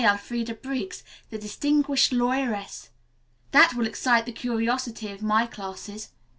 Elfreda Briggs, the distinguished lawyeress. That will excite the curiosity of my classes.